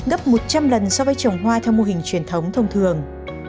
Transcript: gấp một trăm linh lần so với trồng hoa theo mô hình truyền thống thông thường